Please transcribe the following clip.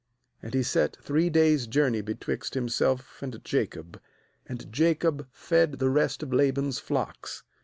^And he set three days' journey betwixt himself and Jacob. And Jacob fed the rest of Laban's flocks.